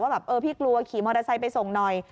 แบบเออพี่กลัวขี่มอเตอร์ไซค์ไปส่งหน่อย